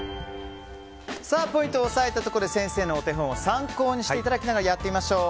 ポイントを押さえたところで先生のお手本を参考にしていただきながらやってみましょう。